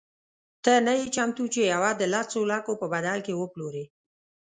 ته نه یې چمتو چې یوه د لسو لکو په بدل کې وپلورې.